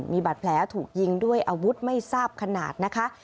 มีบาดแผลถูกยิงด้วยอาวุธไม่ทราบขนาดนะคะ